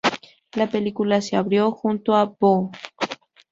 La película se abrió junto a "Boo!